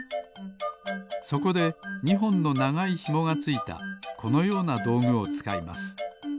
そこで２ほんのながいひもがついたこのようなどうぐをつかいます。